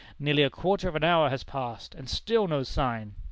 Nearly a quarter of an hour has passed, and still no sign!